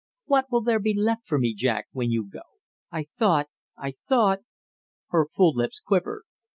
"What will there be left for me, Jack, when you go? I thought I thought " her full lips quivered.